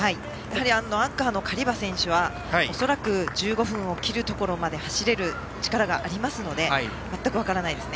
アンカーのカリバ選手はおそらく１５分を切るところまで走れる力があるのでまったく分からないですね。